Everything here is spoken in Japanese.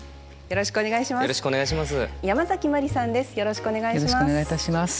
よろしくお願いします。